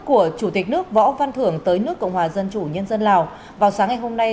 của chủ tịch nước võ văn thưởng tới nước cộng hòa dân chủ nhân dân lào vào sáng ngày hôm nay